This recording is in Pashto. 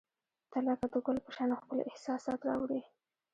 • ته لکه د ګل په شان ښکلي احساسات راوړي.